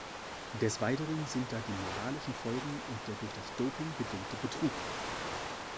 Des weiteren sind da die moralischen Folgen und der durch das Doping bedingte Betrug.